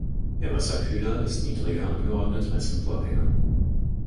Der Wasserkühler ist niedriger angeordnet als im Vorgänger.